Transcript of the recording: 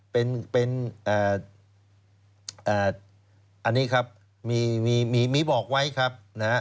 เป็นอันนี้ครับมีบอกไว้ครับนะฮะ